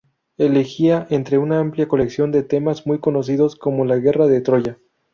Elegía entre una amplia colección de temas muy conocidos, como la Guerra de Troya.